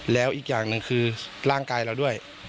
แล้วอีกอย่างหนึ่งคือร่างกายเราด้วย